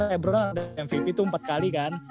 lebron ada mvp tuh empat kali kan